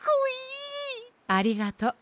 ありがとう。